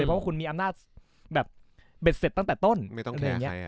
เพราะว่าคุณมีอำนาจแบบเบ็ดเสร็จตั้งแต่ต้นไม่ต้องแคร์ใครอ่ะ